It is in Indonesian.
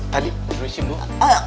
tadi permisi bu